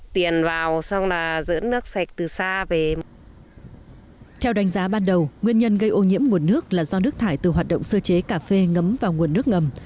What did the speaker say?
theo đánh giá ban đầu nguyên nhân gây ô nhiễm nguồn nước là do nước thải từ hoạt động sơ chế cà phê ngấm vào nguồn nước ngầm